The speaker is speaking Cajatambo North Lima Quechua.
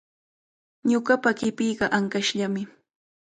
Ñuqapa qipiiqa ankashllami.